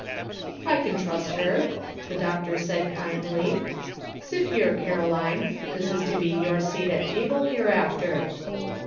''I can trust her," the doctor said kindly. " Sit here, Caroline ; this is to be your seat at table hereafter."